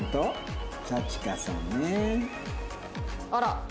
あら。